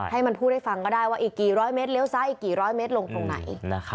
ให้มันพูดให้ฟังก็ได้ว่าอีกกี่ร้อยเมตรเลี้ยซ้ายอีกกี่ร้อยเมตรลงตรงไหน